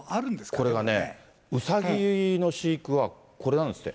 これがね、うさぎの飼育はこれなんですって。